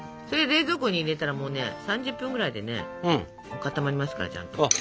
それ冷蔵庫に入れたらもうね３０分ぐらいで固まりますからちゃんと。